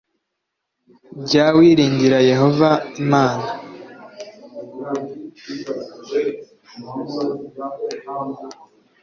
Jya wiringira Yehova Imana